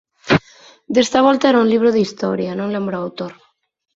Desta volta era un libro de historia, non lembro o autor.